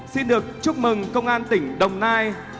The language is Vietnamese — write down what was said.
xin được chúc mừng công an tỉnh đồng nai